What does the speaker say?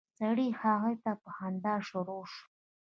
سړی هغې ته په خندا شروع شو.